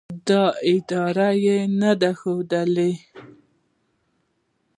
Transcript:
دا اراده نه ده ښودلې